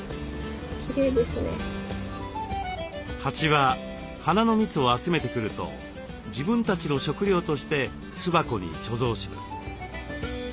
蜂は花の蜜を集めてくると自分たちの食料として巣箱に貯蔵します。